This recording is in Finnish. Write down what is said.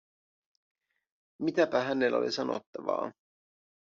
Mitäpä hänellä oli sanottavaa?